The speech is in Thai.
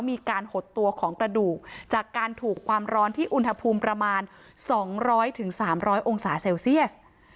หดตัวของกระดูกจากการถูกความร้อนที่อุณหภูมิประมาณ๒๐๐๓๐๐องศาเซลเซียส